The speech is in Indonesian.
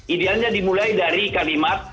idealnya dimulai dari kalimat